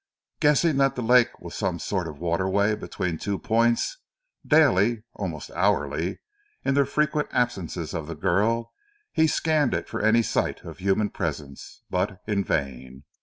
Guessing that the lake was some sort of waterway between two points, daily, almost hourly, in the frequent absences of the girl, he scanned it for any sign of human presences, but in vain.